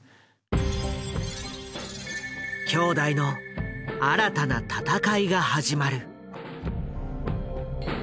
兄弟の新たな戦いが始まる。